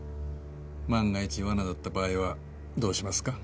万が一わなだった場合はどうしますか？